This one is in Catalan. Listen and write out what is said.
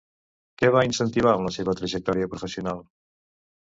Què va incentivar amb la seva trajectòria professional?